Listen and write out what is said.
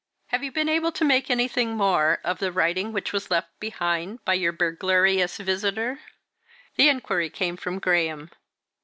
"Have you been able to make anything more of the writing which was left behind by your burglarious visitor?" The inquiry came from Graham.